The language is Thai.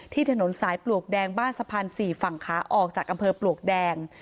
ถนนสายปลวกแดงบ้านสะพาน๔ฝั่งขาออกจากอำเภอปลวกแดง